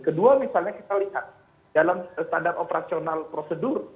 kedua misalnya kita lihat dalam standar operasional prosedur